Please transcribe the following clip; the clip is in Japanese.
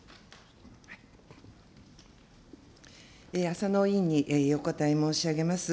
浅野委員にお答え申し上げます。